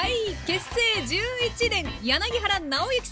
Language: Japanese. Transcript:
結成１１年柳原尚之さん